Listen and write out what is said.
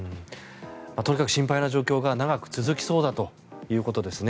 とにかく心配な状況が長く続きそうだということですね。